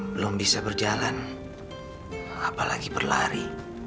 belum bisa berjalan apalagi berlari